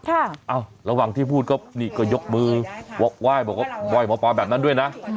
เอาระหว่างที่พูดก็ยกมือว่ายบอกว่าบ่อยบ่ปลาแบบนั้นด้วยนะ